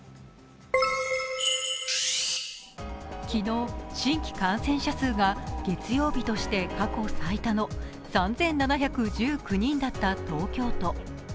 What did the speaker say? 昨日、新規感染者数が月曜日として過去最多の３７１９人だった東京都。